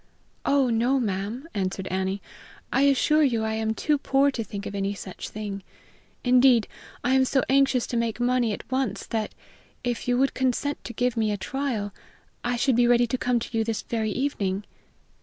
"Oh, no, ma'am!" answered Annie; "I assure you I am too poor to think of any such thing! Indeed, I am so anxious to make money at once that, if you would consent to give me a trial, I should be ready to come to you this very evening."